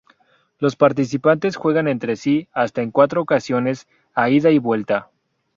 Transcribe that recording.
Los participantes juegan entre sí hasta en cuatro ocasiones, a ida y vuelta.